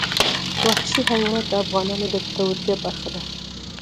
وحشي حیوانات د افغانانو د ګټورتیا برخه ده.